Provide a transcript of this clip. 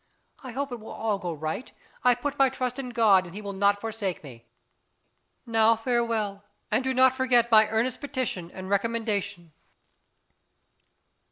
I hope it will all go right; I put my trust in God, and He will not forsake us. Now farewell, and do not forget my earnest petition and recommendation.